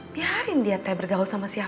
biarin dia teh bergaul sama siapa